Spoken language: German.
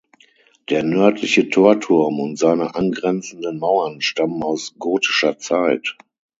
Der nördliche Torturm und seine angrenzenden Mauern stammen aus gotischer Zeit.